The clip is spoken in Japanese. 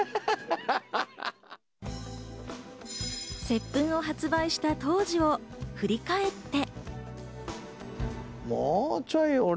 『接吻−ｋｉｓｓ−』を発売した当時を振り返って。